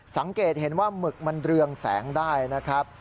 สังเกตเห็นว่าหมึกมันเรืองแสงได้นะครับ